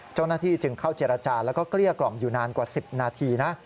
เจ้าหน้าที่จึงเข้าเจรจาแล้วก็เกลี้ยกล่อมอยู่นานกว่า๑๐นาทีนะ